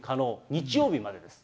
日曜日までです。